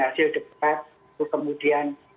hasil depan kemudian